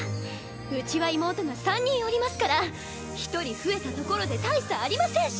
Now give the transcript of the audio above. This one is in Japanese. うちは妹が３人おりますから１人増えたところで大差ありませんし。